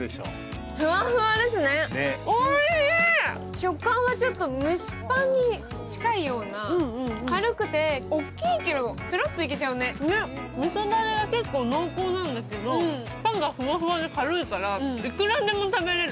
食感はちょっと蒸しパンに近いような、軽くて大きいけど、みそだれが結構濃厚なんだけどパンがふわふわで軽いからいくらでも食べれる。